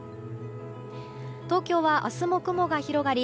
東京は明日も雲が広がり